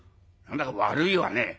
何だか悪いわね」。